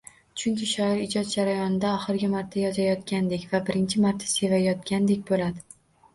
Chunki shoir ijod jarayonida oxirgi marta yozayotgandek va birinchi marta sevayotgandek boʻladi